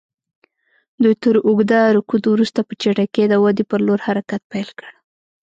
دوی تر اوږده رکود وروسته په چټکۍ د ودې پر لور حرکت پیل کړ.